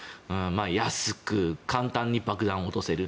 安く簡単に爆弾を落とせる。